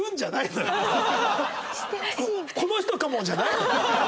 「この人かも」じゃないの。